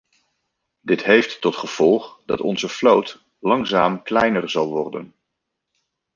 Dit heeft tot gevolg dat onze vloot langzaam kleiner zal worden.